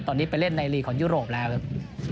ตอนนี้ไปเล่นในลีกของยุโรปแล้วครับ